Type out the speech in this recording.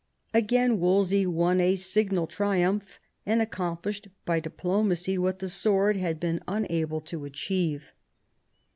Again Wolsey won a signal triumph, and accomplished by diplomacy what' the sword had been unable to achieve.